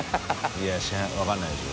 いや分からないでしょ。